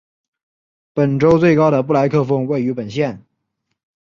本州最高的布莱克峰位于本县。